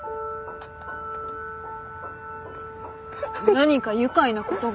何か愉快なことが？